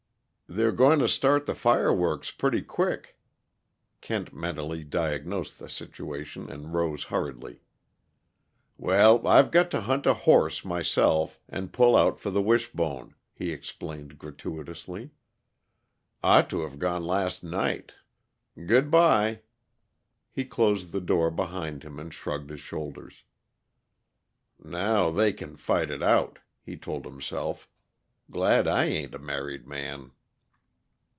"They're going to start the fireworks pretty quick," Kent mentally diagnosed the situation and rose hurriedly. "Well, I've got to hunt a horse, myself, and pull out for the Wishbone," he explained gratuitously. "Ought to've gone last night. Good bye." He closed the door behind him and shrugged his shoulders. "Now they can fight it out," he told himself. "Glad I ain't a married man!"